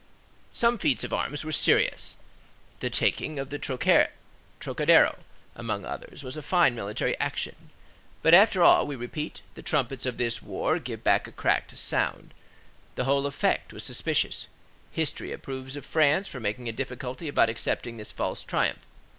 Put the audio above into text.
Some feats of arms were serious; the taking of the Trocadéro, among others, was a fine military action; but after all, we repeat, the trumpets of this war give back a cracked sound, the whole effect was suspicious; history approves of France for making a difficulty about accepting this false triumph.